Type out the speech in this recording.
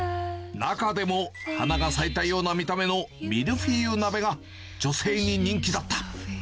中でも花が咲いたような見た目のミルフィーユ鍋が女性に人気だった。